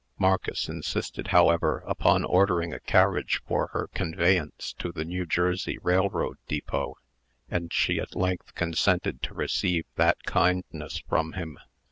Marcus insisted, however, upon ordering a carriage for her conveyance to the New Jersey Railroad Depot, and she at length consented to receive that kindness from him.